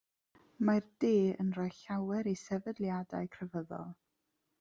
Mae'r De yn rhoi llawer i sefydliadau crefyddol.